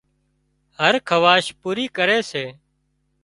هر خواهش پوري ڪري سي